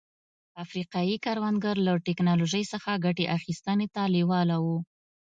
افریقايي کروندګر له ټکنالوژۍ څخه ګټې اخیستنې ته لېواله وو.